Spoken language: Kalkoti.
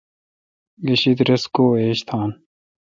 گیشیدس رس کو ایج تان۔